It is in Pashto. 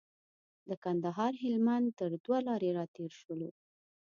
د کندهار هلمند تر دوه لارې راتېر شولو.